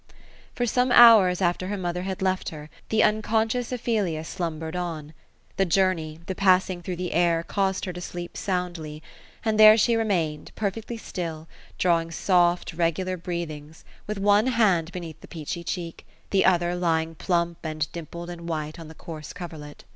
For some hours after her mother had left her. the unconscious Ophe lia slumbered on. The journey, the passing through the air, caused her to sleep soundly ; and there she remained, perfectly still, drawing soft regular breathings, with one hand beneath the peachy cheek, the other lying plump, and dimpled, and white, on the coarse coverlet.